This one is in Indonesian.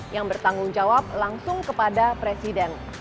yang bertanggung jawab langsung kepada presiden